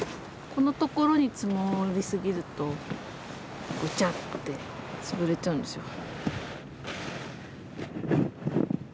このところに積もり過ぎるとぐちゃって潰れちゃうんですよ。